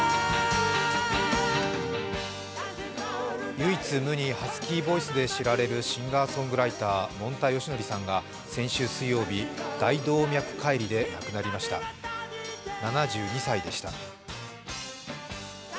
唯一無二、ハスキーボイスで知られるシンガーソングライターもんたよしのりさんが先週水曜日大動脈解離で亡くなりました、７２歳でした。